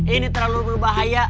ini terlalu berbahaya